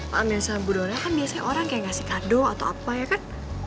paham yang sama budha di owner bisa orang ya kasih kado atau apa ya kan